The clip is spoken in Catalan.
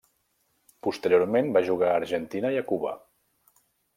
Posteriorment va jugar a Argentina i a Cuba.